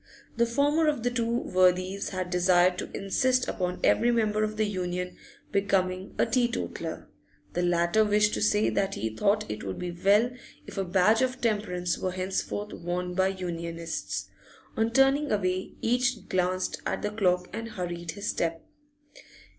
The former of the two worthies had desired to insist upon every member of the Union becoming a teetotaller; the latter wished to say that he thought it would be well if a badge of temperance were henceforth worn by Unionists. On turning away, each glanced at the clock and hurried his step.